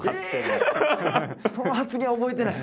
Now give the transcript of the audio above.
その発言覚えてない？